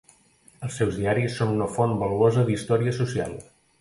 Els seus diaris són una font valuosa d'història social.